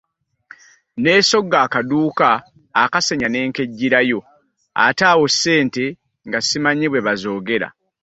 Nneesogga akaduuka akasenya ne nkeggyirayo ate awo ssente nga simanyi bwe bazoogera.